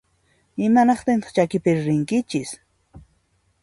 Imanaqtintaq chakipiri rinkichis?